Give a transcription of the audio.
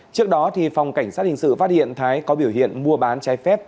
trước đó phòng cảnh sát hình sự phát hiện thái có biểu hiện mua bán trái phép